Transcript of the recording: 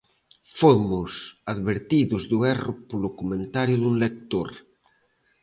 Fomos advertidos do erro polo comentario dun lector.